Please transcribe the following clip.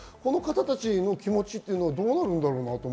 その気持ちはどうなるんだろうなと。